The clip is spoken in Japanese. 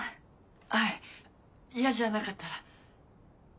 はい嫌じゃなかったら。